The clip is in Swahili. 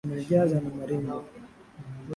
Amenijaza na maringo